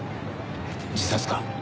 自殺か？